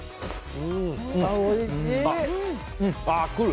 ああ、来る！